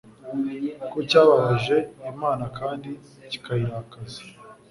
ko cyababaje Imana kandi kikayirakaza.